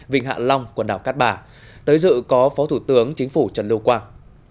vịnh hạ long quần đảo cát bà tới dự có phó thủ tướng chính phủ trần lưu quang